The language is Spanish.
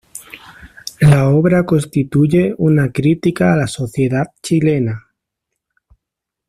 La obra constituye una crítica a la sociedad chilena.